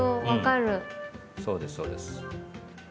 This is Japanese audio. そうですそうです。